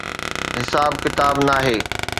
حساب ڪتاب ناهي.